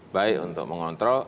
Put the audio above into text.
baik untuk mengontrol